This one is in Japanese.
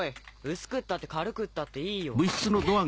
薄くったって軽くったっていいよ。